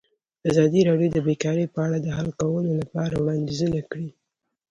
ازادي راډیو د بیکاري په اړه د حل کولو لپاره وړاندیزونه کړي.